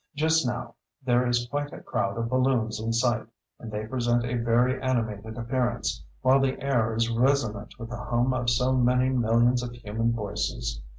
Just now there is quite a crowd of balloons in sight, and they present a very animated appearance, while the air is resonant with the hum of so many millions of human voices.